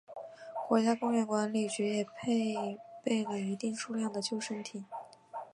国家公园管理局也配备了一定数量的救生艇。